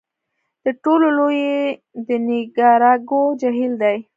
د ټولو لوی یې د نیکاراګو جهیل دی.